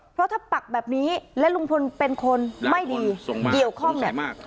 เพราะถ้าปักแบบนี้และลุงพลเป็นคนไม่ดีเกี่ยวข้องเนี่ย